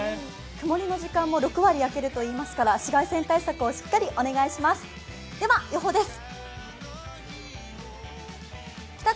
曇りの時間も６割焼けるといいますから紫外線対策をしっかりお願いします。